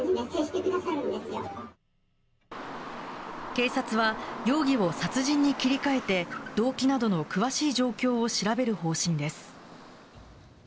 警察は容疑を殺人に切り替えて動機などの詳しい状況を調べる方針です。